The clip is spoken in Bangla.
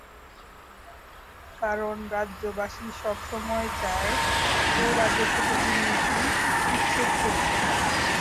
কারণ, রাজ্যবাসী সব সময়ই চায় এই রাজ্য থেকে দুর্নীতি উচ্ছেদ করতে।